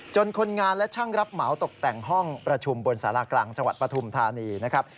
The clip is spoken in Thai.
คนงานและช่างรับเหมาตกแต่งห้องประชุมบนสารากลางจังหวัดปฐุมธานีนะครับ